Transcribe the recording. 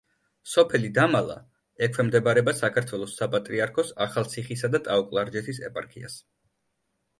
სოფელი დამალა ექვემდებარება საქართველოს საპატრიარქოს ახალციხისა და ტაო-კლარჯეთის ეპარქიას.